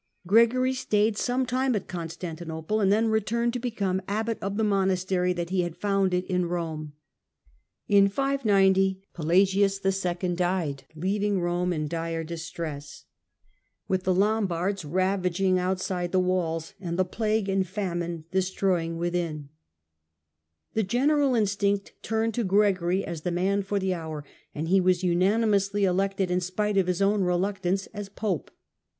Gregory stayed some ■ time at Constantinople, and then returned to become abbot of the monastery that he had founded in Rome. In 590 Pelasius II. died, leaving Rome in dire distress, LOMBARDS IN ITALY AND RISE OF THE PAPACY 89 with the Lombards ravaging outside the walls, and the plague and famine destroying within. The general instinct turned to Gregory as the man for the hour, and he was unanimously elected, in spite of his own reluct ance, as Pope.